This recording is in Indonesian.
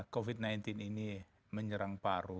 covid sembilan belas ini menyerang paru